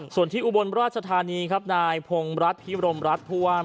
ส่วนที่อุบลราชธานีครับนายพงรัฐพิบรมรัฐผู้ว่า